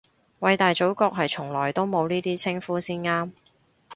偉大祖國係從來都冇呢啲稱呼先啱